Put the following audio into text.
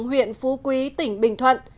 huyện phú quý tỉnh bình thuận